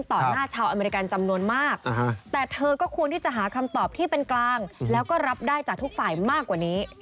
แต่เธอก็ควรที่จะหาคำตอบที่เป็นกลางแล้วก็รับได้จากทุกฝ่ายมากกว่านี้